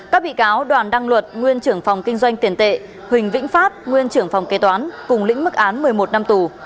các bị cáo đoàn đăng luật nguyên trưởng phòng kinh doanh tiền tệ huỳnh vĩnh phát nguyên trưởng phòng kế toán cùng lĩnh mức án một mươi một năm tù